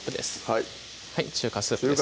はい中華スープです